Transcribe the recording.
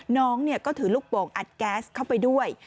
น้องก็ถือลูกโป่งอัดแก๊สเข้าไปด้วย